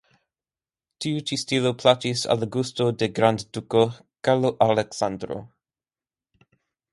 Tiu ĉi stilo plaĉis al la gusto de grandduko Karlo Aleksandro.